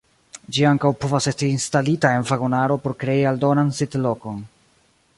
Ĝi ankaŭ povas esti instalita en vagonaro por krei aldonan sidlokon.